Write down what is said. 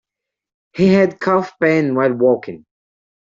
He had calf pain while walking.